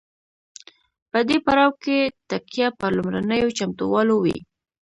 په دې پړاو کې تکیه پر لومړنیو چمتووالو وي.